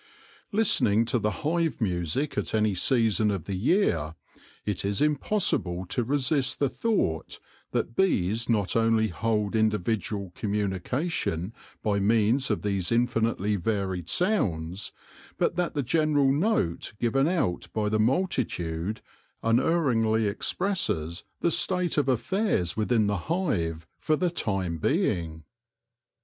Listening to the hive music at any season of the year, it is impossible to resist the thought that bees not only hold individual communication by means of these infinitely varied sounds, but that the general note given out by the multitude unerringly expresses the state of affairs within the hive for the time being.